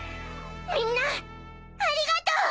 みんなありがとう！